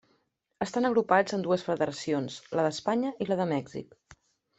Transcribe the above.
Estan agrupats en dues federacions: la d'Espanya i la de Mèxic.